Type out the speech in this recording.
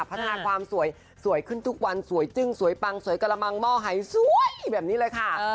พัฒนาความสวยสวยขึ้นทุกวันสวยจึ้งสวยปังสวยกระมังหม้อหายสวยแบบนี้เลยค่ะ